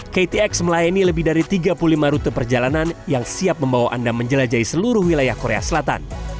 ktx melayani lebih dari tiga puluh lima rute perjalanan yang siap membawa anda menjelajahi seluruh wilayah korea selatan